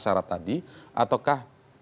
syarat tadi ataukah